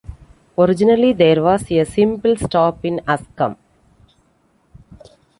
Originally, there was a simple stop in Askam.